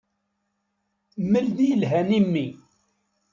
Mel-d i yelhan i mmi.